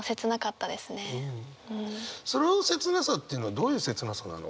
その切なさっていうのはどういう切なさなの？